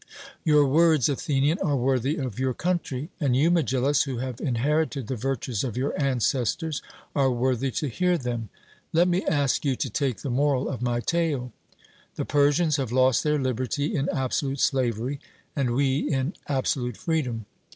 'Your words, Athenian, are worthy of your country.' And you Megillus, who have inherited the virtues of your ancestors, are worthy to hear them. Let me ask you to take the moral of my tale. The Persians have lost their liberty in absolute slavery, and we in absolute freedom.